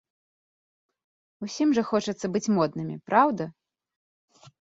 Усім жа хочацца быць моднымі, праўда?